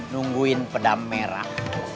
nungguin pedalam merah